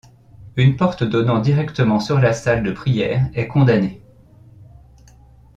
Une porte donnant directement sur la salle de prière est condamnée.